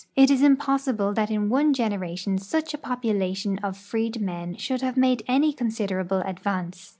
It is impossible that in one generation such a population of freedmen should have made any considerable advance.